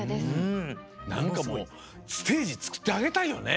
なんかもうステージつくってあげたいよね。